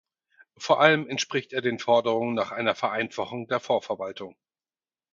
Vor allem entspricht er den Forderungen nach einer Vereinfachung der Fondsverwaltung.